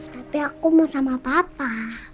katanya aku mau sama papa